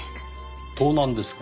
盗難ですか。